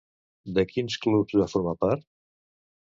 De quins clubs va formar part?